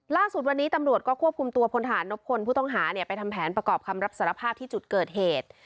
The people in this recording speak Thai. ล่าสุดวันนี้ตำรวจก็ควบคุมตัวพลฐานนพลผู้ต้องหาไปทำแผนประกอบคำรับสารภาพที่จุดเกิดเหตุ